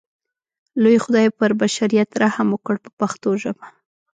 لوی خدای پر بشریت رحم وکړ په پښتو ژبه.